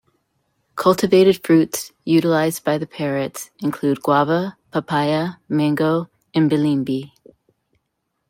Cultivated fruits utilised by the parrots include guava, papaya, mango and bilimbi.